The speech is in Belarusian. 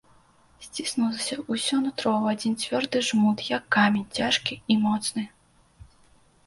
Сціснулася ўсё нутро ў адзін цвёрды жмут, як камень, цяжкі і моцны.